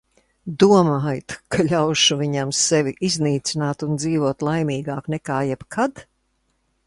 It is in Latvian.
Domājāt, ka ļaušu viņam sevi iznīcināt un dzīvot laimīgāk nekā jebkad?